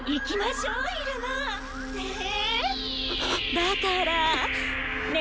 だからね。